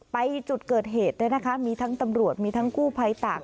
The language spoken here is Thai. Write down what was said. ไปจุดเกิดเหตุเนี่ยนะคะมีทั้งตำรวจมีทั้งกู้ภัยตาก